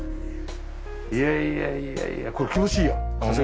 いやいやいやいやこれ気持ちいいよ風が。